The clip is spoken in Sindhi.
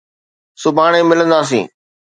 سڀاڻي ملنداسين.